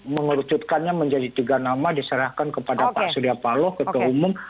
mengerucutkannya menjadi tiga nama diserahkan kepada pak surya paloh ketua umum